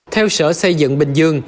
theo sở xây dựng bình dương